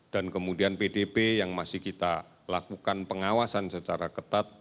dan kemudian pdb yang masih kita lakukan pengawasan secara ketat